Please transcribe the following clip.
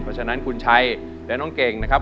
เพราะฉะนั้นคุณชัยและน้องเก่งนะครับ